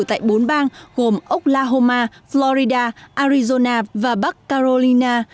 tại bốn bang gồm oklahoma florida arizona và bắc carolina